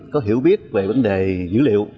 có hiểu biết về vấn đề dữ liệu